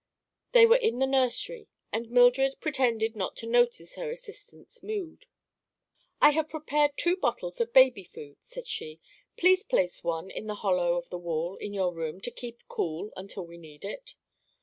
They were in the nursery and Mildred pretended not to notice her assistant's mood. "I have prepared two bottles of baby's food," said she. "Please place one in the hollow of the wall, in your room, to keep cool until we need it."